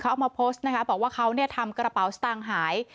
เอามาโพสต์นะคะบอกว่าเขาทำกระเป๋าสตางค์หาย